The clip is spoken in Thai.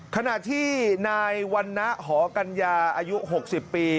ขณะที่นายวันนะหอกัญญาอายุ๖๐ปี